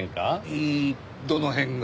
うーんどの辺が？